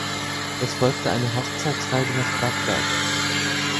Es folgte eine Hochzeitsreise nach Bagdad.